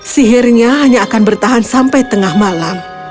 sihirnya hanya akan bertahan sampai tengah malam